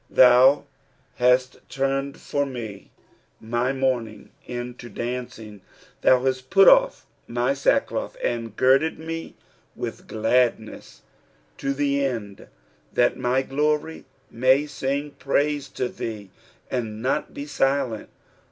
11 Thou hast turned for mc my mourning into dancing : thou hast put off my sackcloth, and girded me with gladness. 12 To the end that »y glory may sing praise to thee, and not be silent.